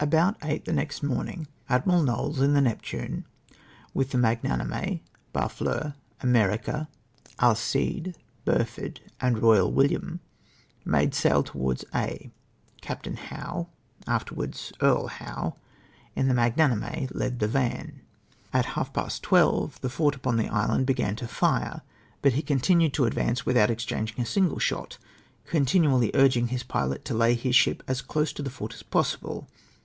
Atjout eight tlie next morning Admiral Knowles in the Neptune, with the Magnanhne, Barfleur, America, Alclde, Burford, and Boi/al Williarn, made sail toivards Aix. Caj^tain Howe {aftennards Earl Houx) in the Mag nanirne led the van. At half jjast tivelve the fort upon the island began to fire, but he continued to advance witliout exchanging a single shot, continually urging his pilot to lay his ship as close to the fort as possi1)le.